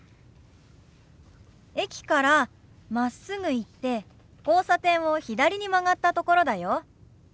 駅からまっすぐ行って交差点を左に曲がったところだよ。